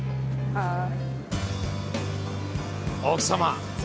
はい。